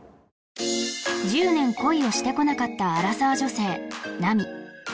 １０年恋をしてこなかったアラサー女性ナミ